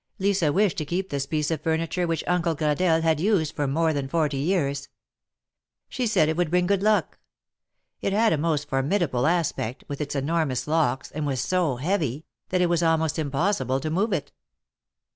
Lisa wished to keep this piece of furniture, which Uncle Gradelle had used for more than forty years. She said it would bring good luck. It had a most formidable aspect, with its enormous locks, and was so heavy, that it was almost impossible to move it.